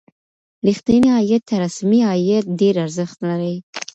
ریښتینی عاید تر اسمي عاید ډېر ارزښت لري.